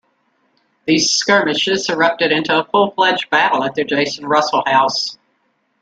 These skirmishes erupted into a full-fledged battle at the Jason Russell House.